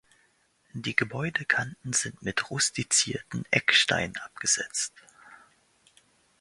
Die Gebäudekanten sind mit rustizierten Ecksteinen abgesetzt.